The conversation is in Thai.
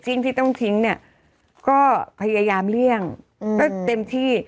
ที่ต้องทิ้งเนี่ยก็พยายามเลี่ยงก็เต็มที่